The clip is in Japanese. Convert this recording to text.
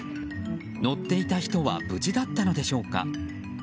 乗っていた人は無事だったのでしょうか。